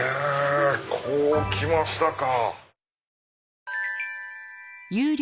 こう来ましたか！